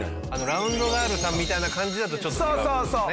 ラウンドガールさんみたいな感じだとちょっと違うって事ですね。